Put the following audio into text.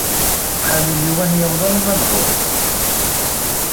Ttḥalil-iw ad n-yaweḍ alamma d ɣur-k.